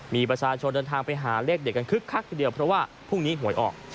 มีประชาชนเดินทางไปหาเลขเด็ดกันคึกคักทีเดียวเพราะว่าพรุ่งนี้หวยออก